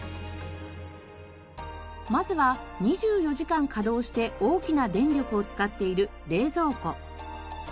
まずは２４時間稼働して大きな電力を使っている冷蔵庫。